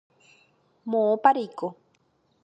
Moõpa reiko.